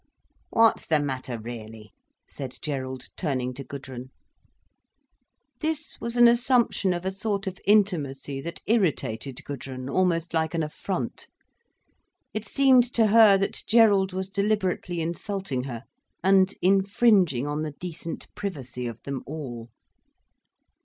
"What's the matter, really?" said Gerald, turning to Gudrun. This was an assumption of a sort of intimacy that irritated Gudrun almost like an affront. It seemed to her that Gerald was deliberately insulting her, and infringing on the decent privacy of them all.